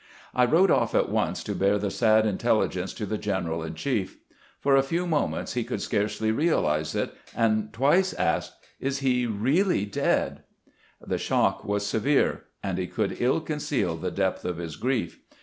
I rode off at once to bear the sad intelligence to the general in chief . For a few moments he could scarcely realize it, and twice asked, " Is he really dead ?" The shock was severe, and he could ill conceal the depth of his grief.